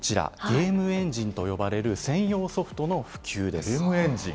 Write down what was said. ゲームエンジンと呼ばれる専用ソフトの普及です。